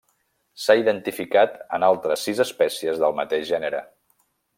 S'ha identificat en altres sis espècies del mateix gènere.